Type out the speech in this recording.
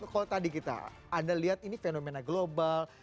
kalau tadi kita anda lihat ini fenomena global